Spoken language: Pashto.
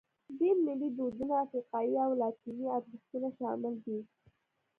دین، ملي دودونه، افریقایي او لاتیني ارزښتونه شامل دي.